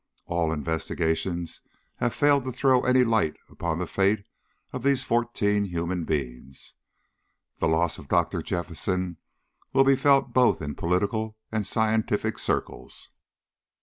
All investigations have failed to throw any light upon the fate of these fourteen human beings. The loss of Dr. Jephson will be felt both in political and scientific circles."